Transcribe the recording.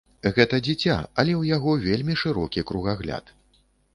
Гэта дзіця, але ў яго вельмі шырокі кругагляд!